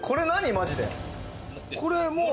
マジで。